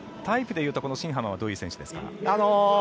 タイプでいうと新濱はどういう選手ですか？